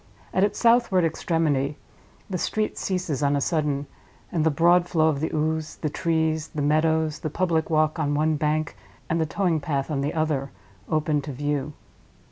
At its southward extremity the street ceases on a sudden, and the broad flow of the Ouse, the trees, the meadows, the public walk on one bank and the towing path on the other, open to view.